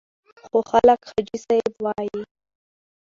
خو خلک حاجي صاحب وایي.